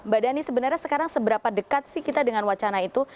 mbak dhani sebenarnya sekarang seberapa dekat sih kita dengan wacana itu